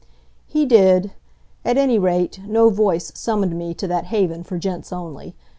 He did. At any rate, no voice summoned me to that haven for gents only.